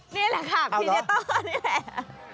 นี่ใครนี่แหละครับพีเดตเตอร์นี่แหละ